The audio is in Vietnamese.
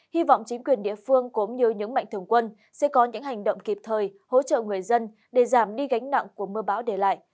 hy vọng chính quyền địa phương cũng như những mạnh thường quân sẽ có những hành động kịp thời hỗ trợ người dân để giảm đi gánh nặng của mưa bão để lại